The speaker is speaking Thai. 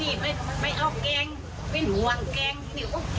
มันคืออาจจะรีบมันจะบอกว่าอันนี้แหละ